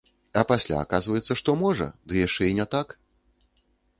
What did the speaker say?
А пасля аказваецца, што можа, ды яшчэ і не так.